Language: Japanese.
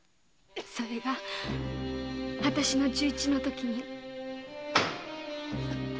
それがあたしの十一のときに。